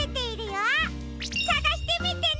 さがしてみてね！